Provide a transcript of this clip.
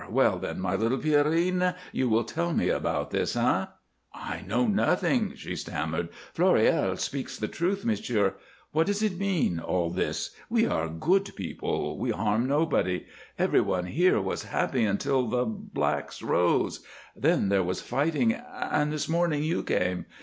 Well then, my little Pierrine, you will tell me about this, eh?" "I know nothing," she stammered. "Floréal speaks the truth, monsieur. What does it mean all this? We are good people; we harm nobody. Every one here was happy until the blacks rose. Then there was fighting and this morning you came.